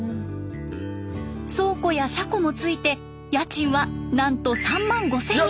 倉庫や車庫もついて家賃はなんと３万５，０００円。